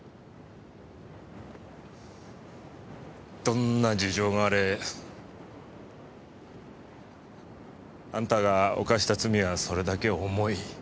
どんな事情があれあんたが犯した罪はそれだけ重い。